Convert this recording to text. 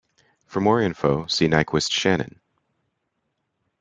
For more info see Nyquist - Shannon.